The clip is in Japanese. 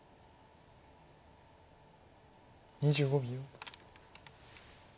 ２５秒。